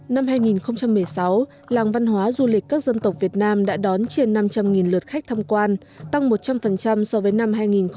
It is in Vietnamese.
năm hai nghìn một mươi sáu làng văn hóa du lịch các dân tộc việt nam đã đón trên năm trăm linh lượt khách tham quan tăng một trăm linh so với năm hai nghìn một mươi bảy